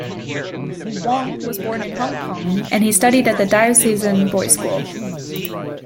Wong was born in Hong Kong and he studied at the Diocesan Boys' School.